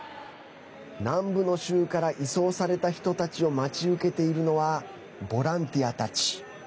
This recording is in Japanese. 南部の州から移送された人たちを待ち受けているのはボランティアたち。